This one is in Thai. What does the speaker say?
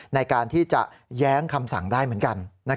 ในการที่จะแย้งคำสั่งได้เหมือนกัน